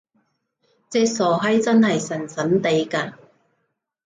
隻傻閪真係神神地嘅！